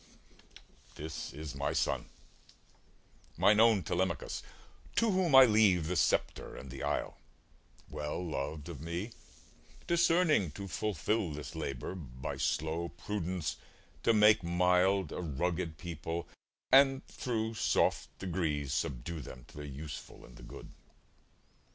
This is my son, mine own Telemachus, To whom I leave the sceptre and the isle, Well loved of me, discerning to fulfil This labour, by slow prudence to make mild A rugged people, and thro' soft degrees Subdue them to the useful and the good.